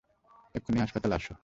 এক্ষুনি হসপিটালে আসো।